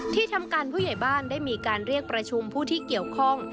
ที่ทำการผู้ใหญ่บ้านได้มีการเรียกประชุมผู้ที่เกี่ยวข้อง